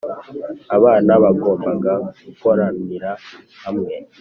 abana bagombaga gukoranira hamwe.